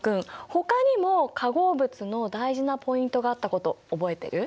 ほかにも化合物の大事なポイントがあったこと覚えてる？